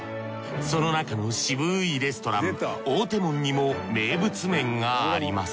その中の渋いレストラン大手門にも名物麺があります